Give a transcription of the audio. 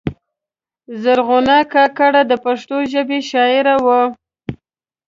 زرغونه کاکړه د پښتو ژبې شاعره وه.